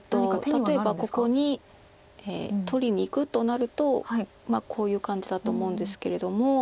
例えばここに取りにいくとなるとこういう感じだと思うんですけれども。